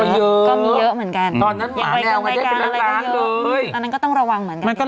ก็มีเยอะเหมือนกันตอนนั้นต้องระวังเหมือนกัน